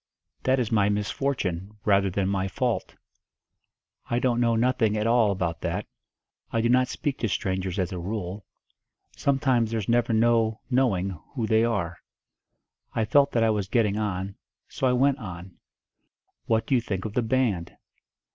"That is my misfortune, rather than my fault." "I don't know nothing at all about that. I do not speak to strangers as a rule. Sometimes there's never no knowing who they are." I felt that I was getting on so I went on. "What do you think of the band?"